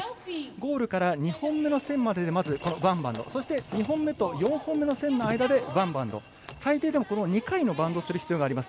ゴールから２本目の線まででワンバウンド２本目と４本目の線でワンバウンド、最低でも２回のバウンドをする必要があります。